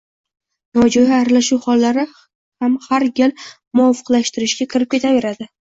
nojo‘ya aralashuv hollari ham har gal «muvofiqlashtirish»ga kirib ketaveradi.